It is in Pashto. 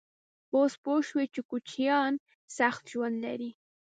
_اوس پوه شوې چې کوچيان سخت ژوند لري؟